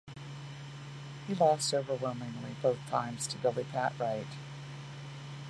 He lost overwhelmingly both times to Billy Pat Wright.